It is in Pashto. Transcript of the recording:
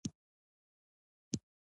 مېلې د نوو تجربو د ترلاسه کولو یوه موقع يي.